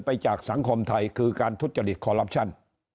จากสังคมไทยคือการทุจริตคอลลับชั่น